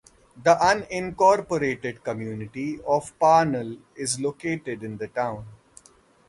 The unincorporated community of Parnell is located in the town.